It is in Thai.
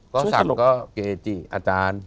ก็สั่งก็เกจิอาจารย์